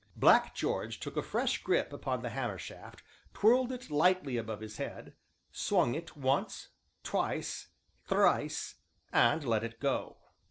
Black George took a fresh grip upon the hammer shaft, twirled it lightly above his head, swung it once, twice, thrice and let it go.